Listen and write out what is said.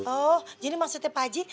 oh jadi maksudnya pak haji